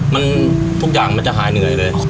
มันทุกอย่างมันจะหายเหนื่อยเลย